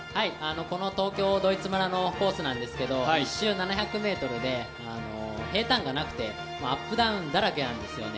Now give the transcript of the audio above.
この東京ドイツ村のコースなんですけど１周７００ｍで平たんがなくてアップダウンだらけなんですよね。